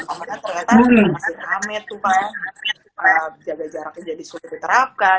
karena ternyata masih rame tuh kalau jaga jaraknya jadi sulit diterapkan